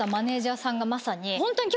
さんがまさに。